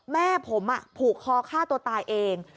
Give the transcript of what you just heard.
แม่ผมผูกคอฆ่าตัวตายเอง